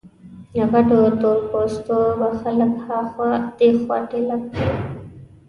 غټو تور پوستو به خلک ها خوا دې خوا ټېله کړل.